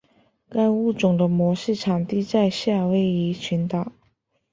该物种的模式产地在夏威夷群岛。